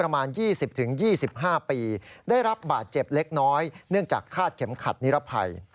ไม่ได้จากฆาตเข็มขัดนิรภัย